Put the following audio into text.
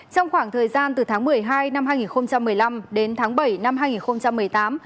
trong khoảng thời gian từ tháng một mươi hai năm hai nghìn một mươi năm đến tháng bảy năm hai nghìn một mươi tám